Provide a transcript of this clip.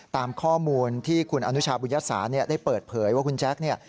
ตามข้อมูลที่คุณอนุชาบุญยศาสเนี่ยได้เปิดเผยว่าคุณแจ๊คเนี่ย